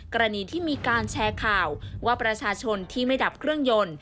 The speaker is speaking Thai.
กรณีที่มีการแชร์ข่าวว่าประชาชนที่ไม่ดับเครื่องยนต์